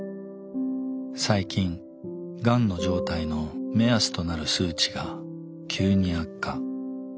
最近がんの状態の目安となる数値が急に悪化。